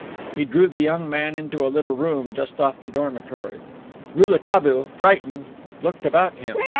He drew the young man into a little room just off the dormitory. Rouletabille, frightened, looked about him.